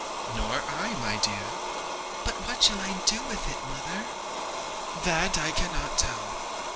'Nor I, my dear.' 'But what shall I do with it, mother?' 'That I cannot tell.'